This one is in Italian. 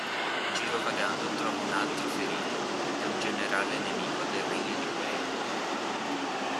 Girovagando trova un altro ferito: è un generale nemico del regno di Wei.